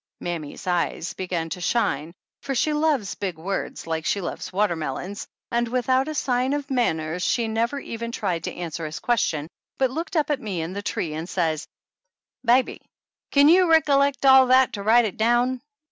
Mammy's eyes began to shine, for she loves 75 THE ANNALS OF ANN big words like she loves watermelons, and with out a sign of manners she never even tried to answer his question, but looked up at me in the tree and says : "Baby, kin you rickollect all that to write it down